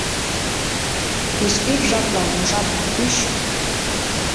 — Кеч ик жаплан умшатым тӱч.